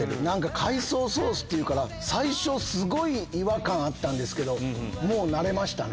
海藻ソースっていうから最初すごい違和感あったけどもう慣れましたね。